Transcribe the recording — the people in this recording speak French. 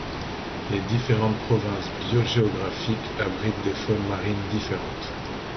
Les différentes provinces biogéographiques abritent des faunes marines différentes.